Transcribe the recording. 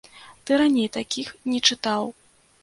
Ты раней такіх не чытаў.